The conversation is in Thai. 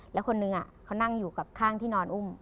แล้วคนนึงเขานั่งอยู่กับข้างที่นอนอุ้ม